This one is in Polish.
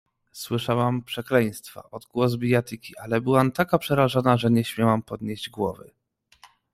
"Słyszałam przekleństwa, odgłos bijatyki, ale byłam taka przerażona, że nie śmiałam podnieść głowy."